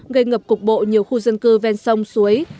gây ngập cục bộ nhiều khu dân cư ven sông suối